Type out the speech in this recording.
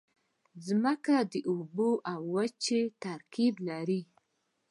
مځکه د اوبو او وچې ترکیب لري.